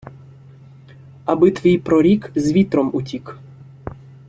Аби твій прорік з вітром утік!